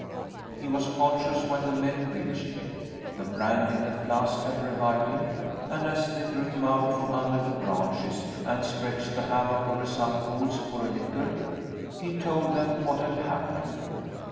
He was conscious when the men reached him. The brandy in the flask had revived him and as they drew him out from under the branches and stretched the hammock over some poles for a litter, he told them what had happened.